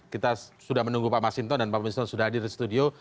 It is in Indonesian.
kita sudah menunggu pak masinton dan pak misson sudah hadir di studio